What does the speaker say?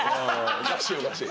おかしいおかしい。